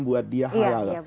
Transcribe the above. buat dia hal hal